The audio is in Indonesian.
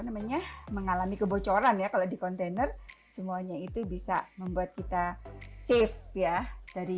namanya mengalami kebocoran ya kalau di kontainer semuanya itu bisa membuat kita safe ya dari